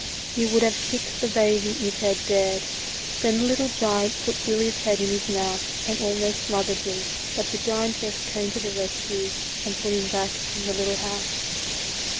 He would have kicked the baby if he had dared. Then the little giant put Billy's head in his mouth and almost smoth ered him, but the giantess came to the rescue and put him back in the little house.